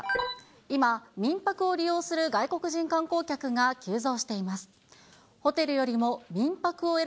今、民泊を利用する外国人観光客が急増しています。